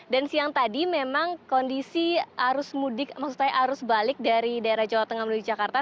dan siang tadi memang kondisi arus mudik maksud saya arus balik dari daerah jawa tengah menuju jakarta